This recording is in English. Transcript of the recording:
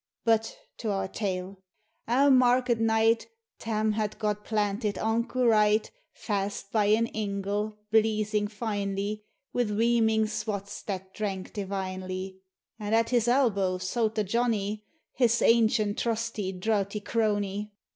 But to our tale : Ae market night Tarn had got planted unco right, Fast by an ingle, bleezing finely, Wi' reaming swats, that drank divinely; And at his elbow souter Johnny, His ancient, trusty, drouthy crony.